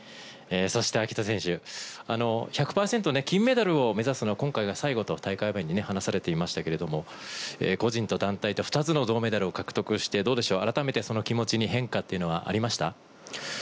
そして暁斗選手、１００％金メダルを目指すのは今回が最後と、大会前に話されていましたけれども、個人と団体の２つの銅メダルを獲得してどうでしょう、改めて、その気持ちに変化っていうのはありました？